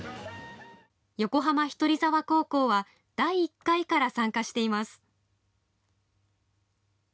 横浜氷取沢高校は第１回から参加しています。